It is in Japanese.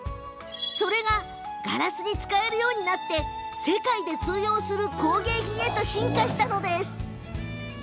ガラスを使えるようになって世界で通用する工芸品へと進化したのです。